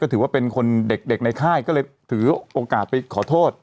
ถือว่าเป็นคนเด็กในค่ายก็เลยถือโอกาสไปขอโทษ